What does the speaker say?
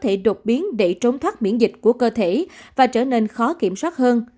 thể đột biến để trốn thoát miễn dịch của cơ thể và trở nên khó kiểm soát hơn